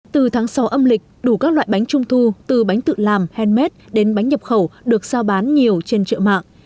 từ tháng sáu âm lịch đủ các loại bánh trung thu từ bánh tự làm handmade đến bánh nhập khẩu được sao bán nhiều trên trợ mạng